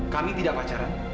kami tidak pacaran